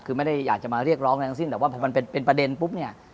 คือไม่ได้อยากจะมาเรียกร้องอะไรทั้งสิ้นแต่ว่าพอมันเป็นประเด็นปุ๊บเนี่ย